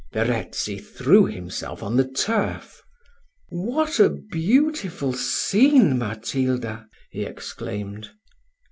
Verezzi threw himself on the turf. "What a beautiful scene, Matilda!" he exclaimed.